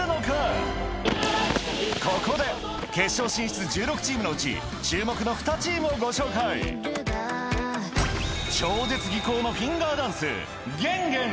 ここで決勝進出１６チームのうち注目の２チームをご紹介超絶技巧のフィンガーダンス